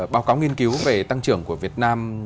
báo cáo nghiên cứu về tăng trưởng của việt nam